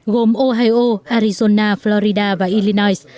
gồm ohio arizona florida và illinois